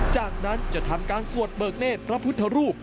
จากนั้นจะทำการสวดเบิกเนธพระพุทธรูป